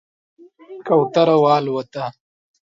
کوتره والوته